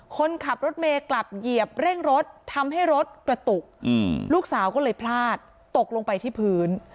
คนขับรถเมย์กลับเหยียบเร่งรถทำให้รถกระตุกลูกสาวก็เลยพลาดตกลงไปที่พื้น